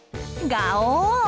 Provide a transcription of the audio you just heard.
ガオー！